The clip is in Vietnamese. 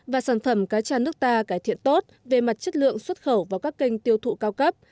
và sản phẩm cá cha nước ta cải thiện tốt về mặt chất lượng xuất khẩu vào các kênh tiêu thụ cao cấp